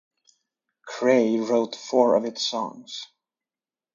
Cray wrote four of its songs.